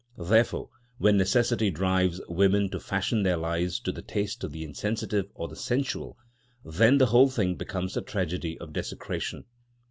Therefore when necessity drives women to fashion their lives to the taste of the insensitive or the sensual, then the whole thing becomes a tragedy of desecration.